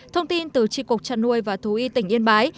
thông tin từ tri cục trăn nuôi và thú y tỉnh yên bái